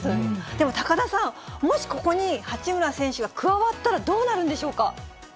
でも高田さん、もしここに八村選手が加わったら、どうなるんでしょうか。